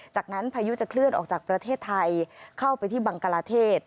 จากนั้นพายุจะเคลื่อนออกจากประเทศไทยเข้าไปที่บังกลาเทศ